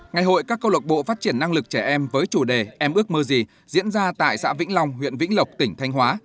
ngày hội các câu lộc bộ phát triển năng lực trẻ em với chủ đề em ước mơ gì diễn ra tại xã vĩnh long huyện vĩnh lộc tỉnh thanh hóa